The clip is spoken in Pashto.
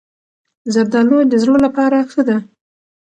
زردالو د زړه لپاره ښه ده.